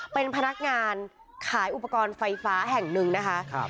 เป็นพนักงานขายอุปกรณ์ไฟฟ้าแห่งหนึ่งนะคะ